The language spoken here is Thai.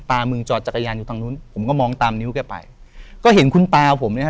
มึงจอดจักรยานอยู่ทางนู้นผมก็มองตามนิ้วแกไปก็เห็นคุณตาผมนะฮะ